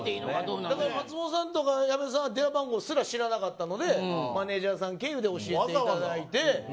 松本さんとか矢部さんは電話番号知らなかったのでマネジャー経由で教えていただいて。